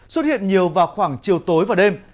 xuất hiện nhiều vào khoảng chiều tối và đêm